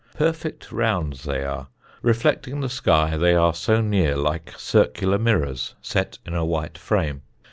Perfect rounds they are, reflecting the sky they are so near like circular mirrors set in a white frame.